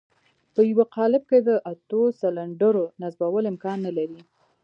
په يوه قالب کې د اتو سلنډرو نصبول امکان نه لري.